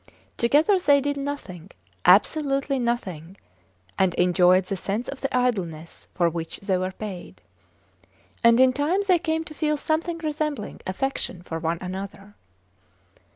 Together they did nothing, absolutely nothing, and enjoyed the sense of the idleness for which they were paid. And in time they came to feel something resembling affection for one another.